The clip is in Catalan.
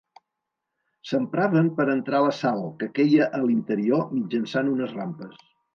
S'empraven per entrar la sal, que queia a l'interior mitjançant unes rampes.